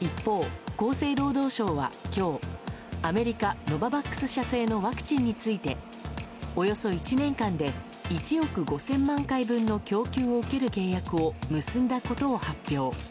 一方、厚生労働省は今日アメリカ、ノババックス社製のワクチンについておよそ１年間で１億５０００万回分の供給を受ける契約を結んだことを発表。